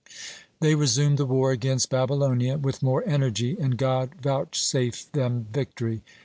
They resumed the war against Babylonia with more energy, and God vouchsafed them victory.